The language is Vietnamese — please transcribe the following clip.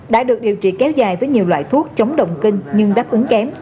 đã được điều trị kéo dài với nhiều loại thuốc chống động kinh nhưng đáp ứng kém